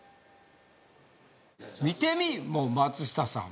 見てみい松下さん